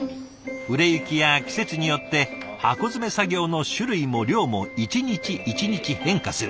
売れ行きや季節によって箱詰め作業の種類も量も一日一日変化する。